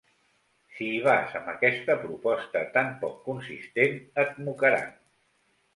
Si hi vas amb aquesta proposta tan poc consistent, et mocaran.